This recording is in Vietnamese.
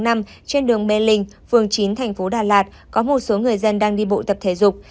trên đường mê linh phường chín thành phố đà lạt có một số người dân đang đi bộ tập thể dục